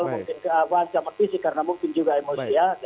mungkin ancaman fisik karena mungkin juga emosi ya